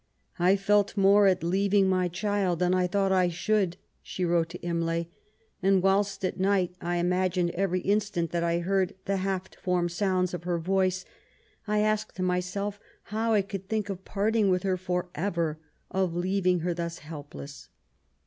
" I felt more at leaving my child than I thought I should/* she wrote to Imlay, *' and whilst at night I imagined every instant that I heard the half formed sounds of her voice, I asked myself how I could think of parting with her for ever, of leaving her thus helpless."